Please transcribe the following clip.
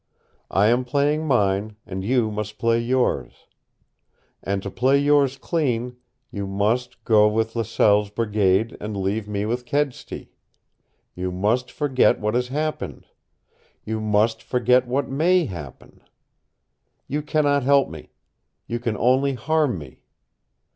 I am playing mine, and you must play yours. And to play yours clean, you must go with Laselle's brigade and leave me with Kedsty. You must forget what has happened. You must forget what MAY happen. You can not help me. You can only harm me.